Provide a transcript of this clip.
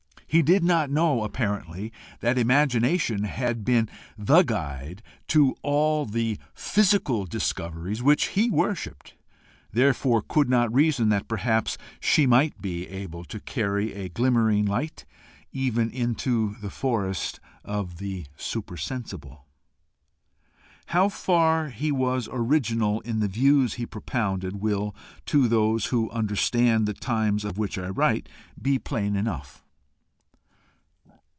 He did not know, apparently, that Imagination had been the guide to all the physical discoveries which he worshipped, therefore could not reason that perhaps she might be able to carry a glimmering light even into the forest of the supersensible. How far he was original in the views he propounded, will, to those who understand the times of which I write, be plain enough.